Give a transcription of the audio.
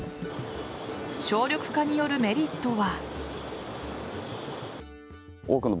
省力化によるメリットは。